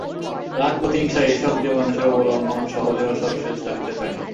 রাগ, প্রতিহিংসা এইসব যে মানুষের অবলম্বন, সহজে ওসব সে ছাড়িতে চায় না।